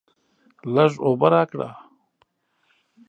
لږ اوبه راکړه!